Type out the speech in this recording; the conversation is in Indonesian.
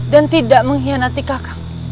dan tidak mengkhianati kakak